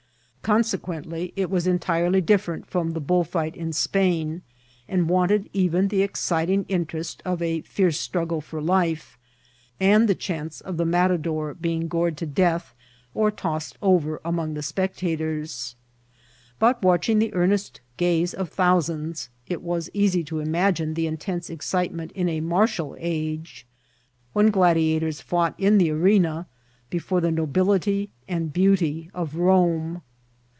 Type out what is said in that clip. Con sequently, it was entirely different from the bullfight in Spain, and wanted even the exciting interest of a fierce struggle for life, and the chance of the matadore being gored to death <» tossed over among the spectators. But, watching the earnest gaze of thousands, it was easy to imagine the intense excitement in a martial age, when gladiators fought in the arena before the nobility and beauty of Rome.